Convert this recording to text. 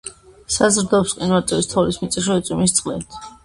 საზრდოობს მყინვარის, თოვლის, მიწისქვეშა და წვიმის წყლით.